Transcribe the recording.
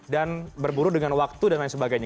dan berburu dengan waktu dan lain sebagainya